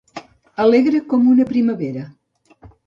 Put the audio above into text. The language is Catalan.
Alegre com una primavera.